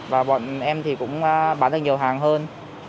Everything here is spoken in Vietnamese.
và bọn em thì cũng bán được nhiều hàng hơn